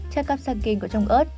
chắc cắp sạc kênh của trong ớt